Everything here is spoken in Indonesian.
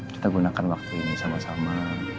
kita gunakan waktu ini sama sama